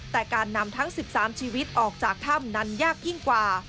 แต่การนำทั้ง๑๓ชีวิตออกจากถ้ำนั้นยากยิ่งกว่า